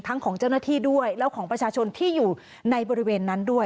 ของเจ้าหน้าที่ด้วยแล้วของประชาชนที่อยู่ในบริเวณนั้นด้วย